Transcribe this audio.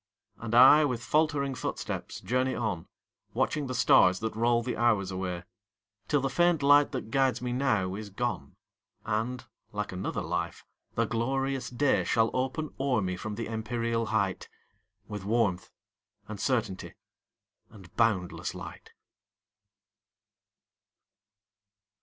And I, with faltering footsteps, journey on, Watching the stars that roll the hours away, Till the faint light that guides me now is gone, And, like another life, the glorious day Shall open o'er me from the empyreal height, With warmth, and certainty, and boundless light.